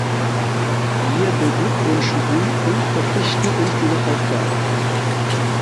Wir beglückwünschen ihn und verpflichten uns dieser Aufgabe.